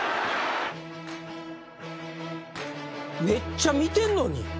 めっちゃ見てんのに。